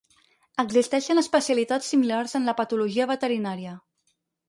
Existeixen especialitats similars en la patologia veterinària.